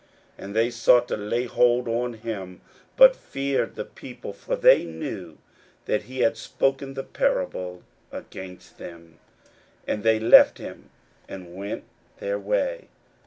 41:012:012 And they sought to lay hold on him, but feared the people: for they knew that he had spoken the parable against them: and they left him, and went their way.